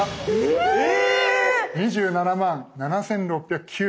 ２７万７，６９４円。